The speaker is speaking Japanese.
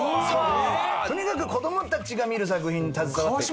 とにかく子供たちが見る作品に携わってて。